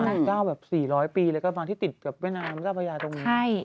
อายุ๙แบบ๔๐๐ปีแล้วก็บางที่ติดกับแม่น้ำเจ้าพระยาตรงนี้